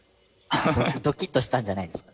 どきっとしたんじゃないですか？